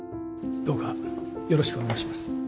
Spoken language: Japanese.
どうかよろしくお願いします。